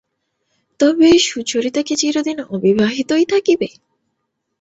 তবে সুচরিতা কি চিরদিন অবিবাহিতই থাকিবে?